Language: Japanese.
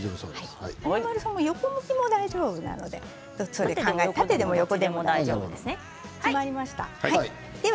華丸さんは横向きも大丈夫なので縦でも横でも大丈夫です。